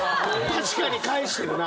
確かに返してるな。